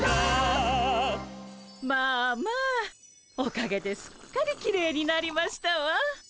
まあまあおかげですっかりきれいになりましたわ。